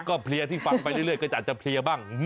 ก็เพลียที่ฟังไปเรื่อยก็อาจจะเพลียบ้าง